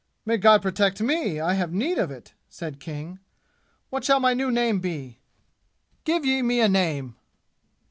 "May God protect me! I have need of it!" said King. "What shall my new name be? Give ye me a name!"